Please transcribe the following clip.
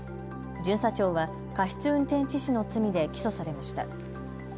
巡査長は過失運転致死の罪で起訴されました。